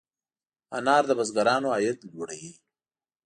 انار د بزګرانو عاید لوړوي.